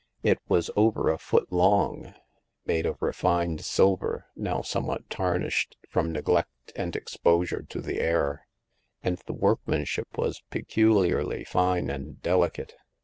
It was over a foot long, made of r.efined silver, now somewhat tarnished from neglKct and ex posure to the air ; and the workmanship was peculiarly fine and delicate.